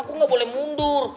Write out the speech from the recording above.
aku gak boleh mundur